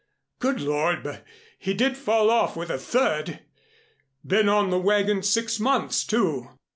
Good Lord, but he did fall off with a thud! Been on the wagon six months, too.